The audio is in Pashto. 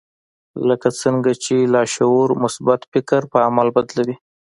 لکه څرنګه چې لاشعور مثبت فکر پر عمل بدلوي